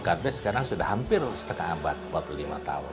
god bless sekarang sudah hampir setengah abad empat puluh lima tahun